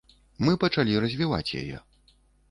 Мы пачалі развіваць яе.